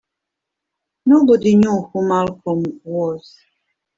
Nobody knew who Malcolm was.